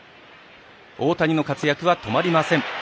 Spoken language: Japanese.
大谷の活躍は止まりません。